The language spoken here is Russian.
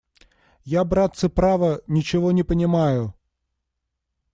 Я, братцы, право, ничего не понимаю!..